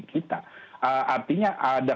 kita artinya ada